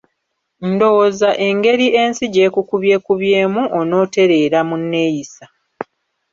Ndowooza engeri ensi gyekukubyekubyemu onooterera mu nneeyisa.